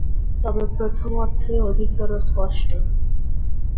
তবে প্রথম অর্থই অধিকতর স্পষ্ট।